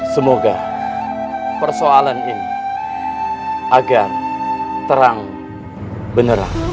semoga persoalan ini agar terang benerang